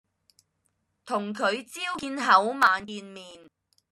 同佢朝見口晚見面